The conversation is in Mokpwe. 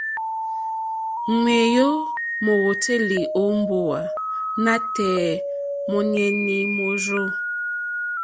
Ŋwéyò mówǒtélì ó mbówà nǎtɛ̀ɛ̀ mɔ́nɛ̀yí mórzô.